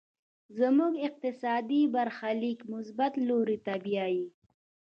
زموږ اقتصادي برخليک مثبت لوري ته بيايي.